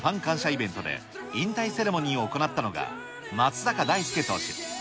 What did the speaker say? イベントで、引退セレモニーを行ったのが、松坂大輔投手。